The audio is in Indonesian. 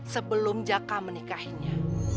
sebelum jaka menikahinya